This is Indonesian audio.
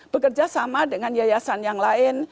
bekerja sama dengan yayasan yang lain